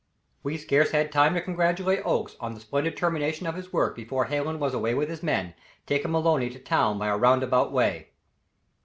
We scarce had time to congratulate Oakes on the splendid termination of his work before Hallen was away with his men, taking Maloney to town by a roundabout way.